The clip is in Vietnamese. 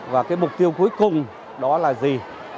và mục tiêu cuối cùng đó là gì